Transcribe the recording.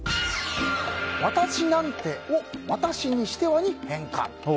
私なんてを私にしてはに変換。